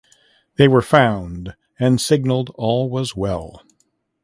They were found and signaled all was well.